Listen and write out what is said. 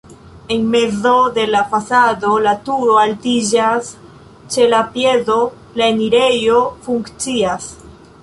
En mezo de la fasado la turo altiĝas, ĉe la piedo la enirejo funkcias.